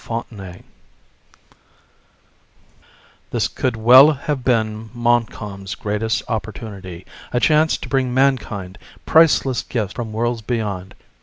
FONTENAY _This could well have been Montcalm's greatest opportunity; a chance to bring mankind priceless gifts from worlds beyond.